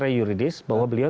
ada hal yang